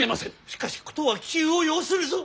しかし事は急を要するぞ。